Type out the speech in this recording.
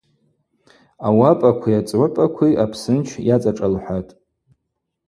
Ауапӏакви ацӏгӏвыпӏакви апсынч йацӏашӏалхӏватӏ.